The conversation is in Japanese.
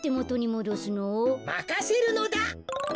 まかせるのだ。